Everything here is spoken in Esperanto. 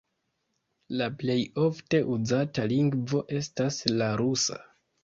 La plej ofte uzata lingvo estas la rusa.